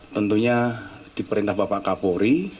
tentunya di perintah bapak kapuri